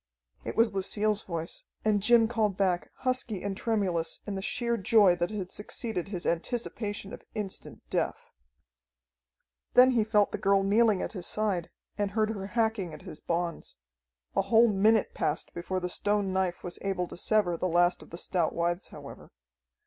It was Lucille's voice, and Jim called back, husky and tremulous in the sheer joy that had succeeded his anticipation of instant death. Then he felt the girl kneeling at his side, and heard her hacking at his bonds. A whole minute passed before the stone knife was able to sever the last of the stout withes, however.